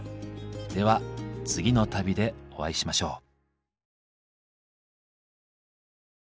では次の旅でお会いしましょう。